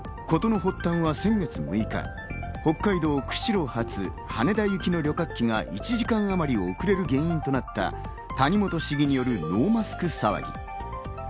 事の発端は先月６日、北海道釧路発羽田行きの旅客機が１時間あまり遅れる原因となった谷本市議によるノーマスク騒ぎ。